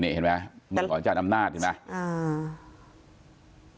นี่เห็นมั้ยเหมือนกับอาจารย์อำนาจใช่มั้ย